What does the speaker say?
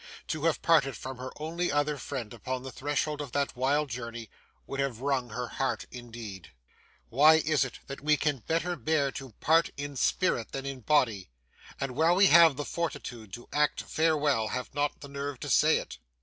To have parted from her only other friend upon the threshold of that wild journey, would have wrung her heart indeed. Why is it that we can better bear to part in spirit than in body, and while we have the fortitude to act farewell have not the nerve to say it?